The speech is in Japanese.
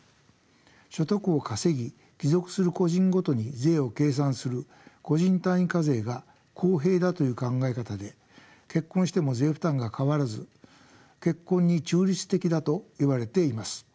所得を稼ぎ帰属する個人ごとに税を計算する個人単位課税が公平だという考え方で結婚しても税負担が変わらず結婚に中立的だといわれています。